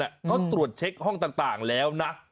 เขาตรวจเช็คห้องต่างแล้วนะ